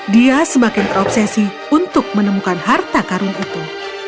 dia semakin terobsesi untuk menemukan harta karun itu